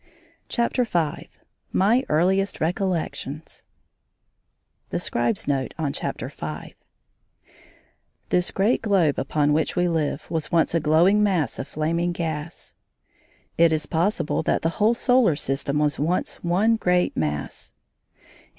CHAPTER V MY EARLIEST RECOLLECTIONS THE SCRIBE'S NOTE ON CHAPTER FIVE This great globe upon which we live was once a glowing mass of flaming gas. It is possible that the whole solar system was once one great mass.